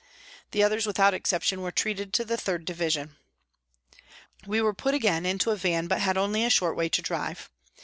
The others, without exception, were treated to the 3rd Division. We were put again into a van, but had only a short way to drive.